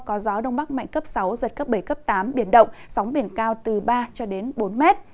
có gió đông bắc mạnh cấp sáu giật cấp bảy cấp tám biển động sóng biển cao từ ba cho đến bốn mét